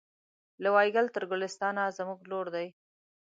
له وایګل تر ګلستانه زموږ لور دی